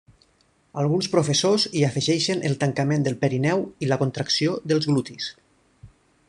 Alguns professors hi afegeixen el tancament del perineu i la contracció dels glutis.